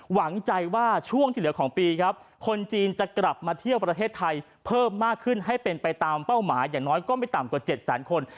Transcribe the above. หวังใจว่าช่วงที่เหลือของปีครับคนจีนจะกลับมาเที่ยวประเทศไทยเพิ่มมากขึ้นให้เป็นไปตามเป้าหมายอย่างน้อยก็ไม่ต่ำกว่า๗แสนคน